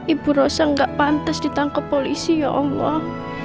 ibu rosa gak pantas ditangkap polisi ya allah